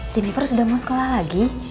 jennifer sudah mau sekolah lagi